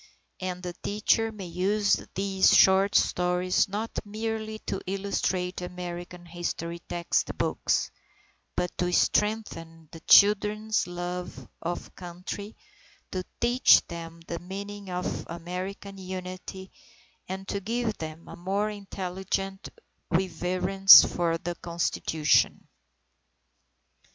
And the teacher may use these short stories not merely to illustrate American history textbooks, but to strengthen the children's love of Country, to teach them the meaning of American Unity, and to give them a more intelligent reverence for the Constitution.